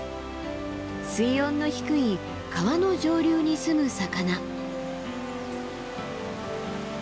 水温の低い川の上流に住む魚。